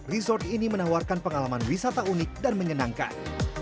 resort ini menawarkan pengalaman wisata unik dan menyenangkan